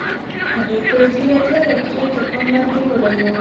هغې په ځیرتیا دا کلی تر پام لاندې نیولی و